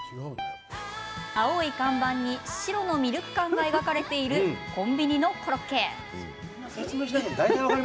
青い看板に白のミルク缶が描かれているコンビニのコロッケ。